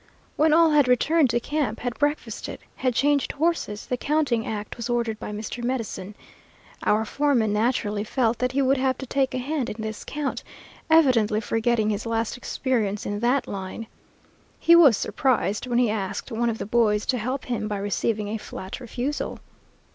When all had returned to camp, had breakfasted, and changed horses, the counting act was ordered by Mr. Medicine. Our foreman naturally felt that he would have to take a hand in this count, evidently forgetting his last experience in that line. He was surprised, when he asked one of the boys to help him, by receiving a flat refusal.